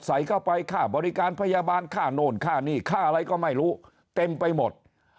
ใส่เข้าไปค่าบริการพยาบาลค่าโน่นค่านี่ค่าอะไรก็ไม่รู้เต็มไปหมด